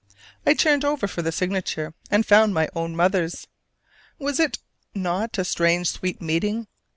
I turned over for the signature, and found my own mother's. Was it not a strange sweet meeting?